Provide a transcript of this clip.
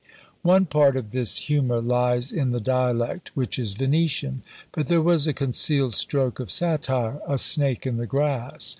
_" One part of this humour lies in the dialect, which is Venetian; but there was a concealed stroke of satire, a snake in the grass.